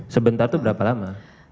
sebentar itu berapa lama